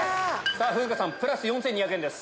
風花さんプラス４２００円です。